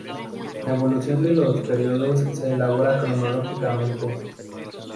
La evolución de los periodos se elabora cronológicamente.